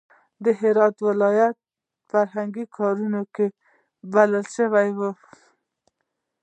د هرات ولایت د فرهنګ کار کوونکي بلل شوي وو.